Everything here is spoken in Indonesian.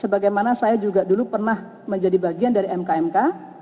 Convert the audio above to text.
sebagai mana saya juga dulu pernah menjadi bagian dari mk mk